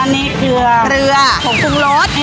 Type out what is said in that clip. อันนี้ซอส